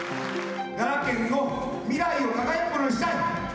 奈良県の未来を輝くものにしたい。